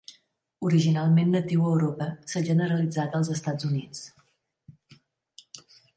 Originalment natiu a Europa, s'ha generalitzat als Estats Units.